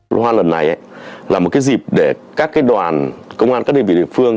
liên hoan lần này là một cái dịp để các đoàn công an các đơn vị địa phương